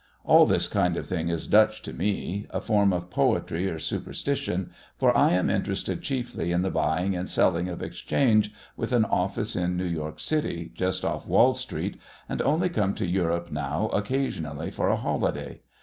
All this kind of thing is Dutch to me, a form of poetry or superstition, for I am interested chiefly in the buying and selling of exchange, with an office in New York City, just off Wall Street, and only come to Europe now occasionally for a holiday.